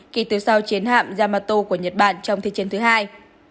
kể từ sau chiến hạm yamato của nhật bản trong thị chiến thứ hai